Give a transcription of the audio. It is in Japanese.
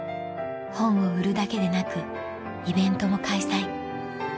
本を売るだけでなくイベントも開催